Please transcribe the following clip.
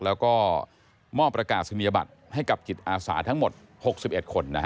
แล้วก็มอบประกาศนียบัตรให้กับจิตอาสาทั้งหมด๖๑คน